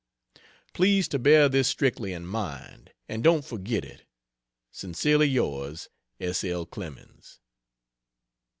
Please to bear this strictly in mind, and don't forget it. Sincerely yours S. L. CLEMENS.